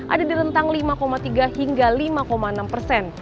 ada di rentang lima tiga hingga lima enam persen